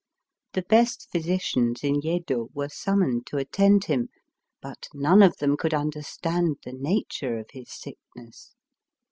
The best physicians in Yedo were summoned to attend him ; but none of them could understand the nature of his sickness.